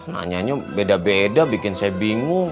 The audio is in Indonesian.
nanya beda beda bikin saya bingung